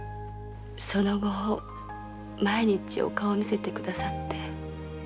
その後毎日お顔を見せてくださって。